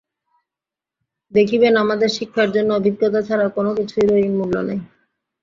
দেখিবেন আমাদের শিক্ষার জন্য অভিজ্ঞতা ছাড়া কোন কিছুরই মূল্য নাই।